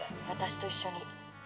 私と一緒に。